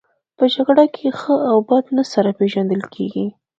په جګړه کې ښه او بد نه سره پېژندل کیږي